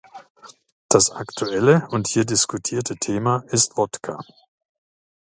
Das aktuelle und hier diskutierte Thema ist Wodka.